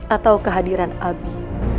atau kehadiran abi